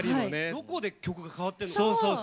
どこで曲が変わってるのか。